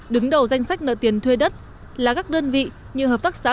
đứng đầu danh sách nợ tiền thuê đất là các đơn vị như hợp tác xã